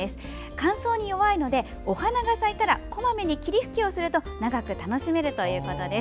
乾燥に弱いのでお花が咲いたらこまめに霧吹きすると長く楽しめるそうです。